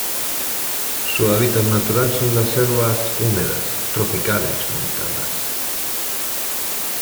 Su hábitat natural son las selvas húmedas tropicales montanas.